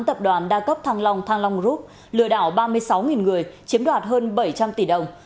tập đoàn đa cấp thăng long thăng long group lừa đảo ba mươi sáu người chiếm đoạt hơn bảy trăm linh tỷ đồng